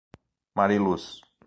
Mariluz